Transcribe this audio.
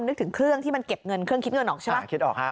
นึกถึงเครื่องที่มันเก็บเงินเครื่องคิดเงินออกใช่ไหมคิดออกฮะ